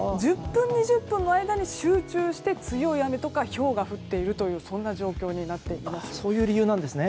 １０分、２０分の間に集中して強い雨とかひょうが降っているという状況になっています。